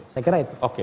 saya kira itu